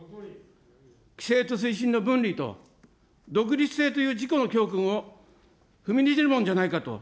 規制と推進の分離と独立性という事故の教訓を踏みにじるものじゃないかと。